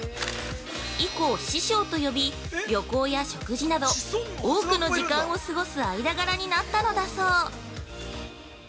以降、「師匠」と呼び旅行や食事など多くの時間を過ごす間柄になったのだそう。